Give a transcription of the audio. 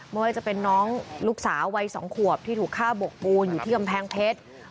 ไม่ว่าจะเป็นน้องลูกสาววัย๒ขวบที่ถูกฆ่าบกปูนอยู่ที่กำแพงเพชร